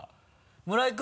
村井君！